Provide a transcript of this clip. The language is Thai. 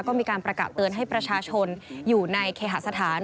ก็มีการประกาศเตือนให้ประชาชนอยู่ในเคหาสถาน